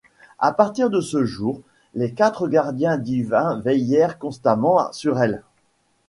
À partir de ce jour, les quatre gardiens divins veillèrent constamment sur elle.